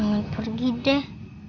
jangan pergi deh